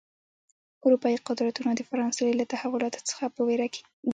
اروپايي قدرتونه د فرانسې له تحولاتو څخه په وېره کې و.